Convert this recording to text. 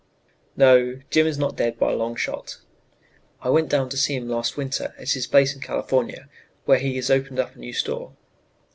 "No, Jim is not dead by a long shot. I went down to see him last winter at his place in California, where he has opened up a new store.